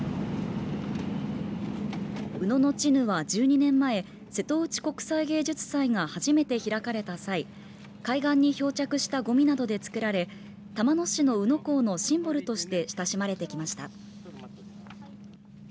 宇野のチヌは１２年前瀬戸内国際芸術祭が初めて開かれた際海岸に漂着したごみなどで作られ玉野市の宇野港のシンボルとして親しまれてきました。